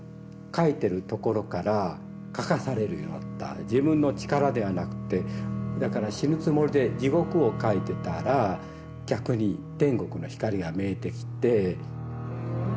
描いてるところから描かされるようになった自分の力ではなくてだから死ぬつもりで地獄を描いてたら逆に天国の光が見えてきて。